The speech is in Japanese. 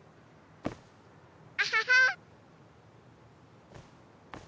アハハ。